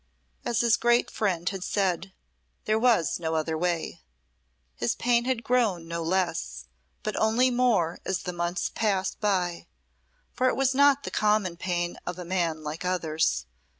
As his great friend had said, there was no other way. His pain had grown no less, but only more as the months passed by, for it was not the common pain of a man like others.